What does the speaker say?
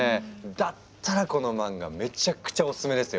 だったらこの漫画めっちゃくちゃお薦めですよ。